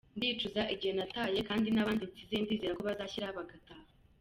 Ndicuza igihe nataye kandi n’abandi nsize ndizera ko bazashyira bagataha.